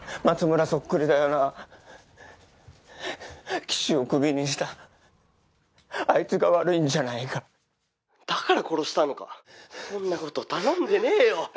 松村そっくりだよな岸をクビにしたあいつが悪いんじゃないか☎だから殺したのかそんなこと頼んでねえよ